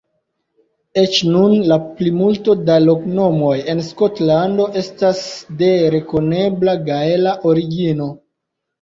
Eĉ nun, la plimulto da loknomoj en Skotlando estas de rekonebla gaela origino.